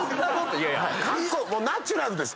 ナチュラルです。